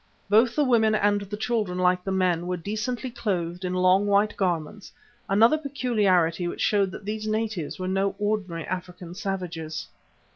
Both the women and the children, like the men, were decently clothed in long, white garments, another peculiarity which showed that these natives were no ordinary African savages.